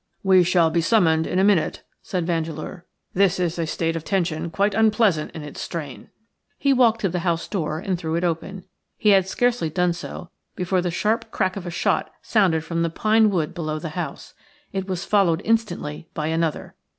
"We shall be summoned in a minute," said Vandeleur. "This is a state of tension quite unpleasant in its strain." He walked to the house door and threw it open. He had scarcely done so before the sharp crack of a shot sounded from the pine wood below the house. It was followed instantly by another.